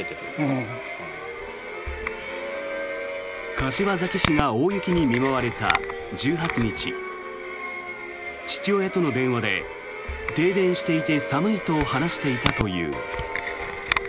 柏崎市が大雪に見舞われた１８日父親との電話で、停電していて寒いと話していたという。